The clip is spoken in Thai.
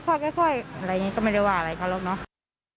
อุ้ยเบาแค่ค่อยอะไรอย่างนี้ก็ไม่ได้ว่าอะไรค่ะล่ะเนาะ